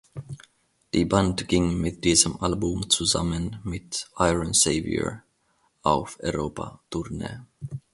Die Band ging mit diesem Album zusammen mit Iron Savior auf Europa-Tournee.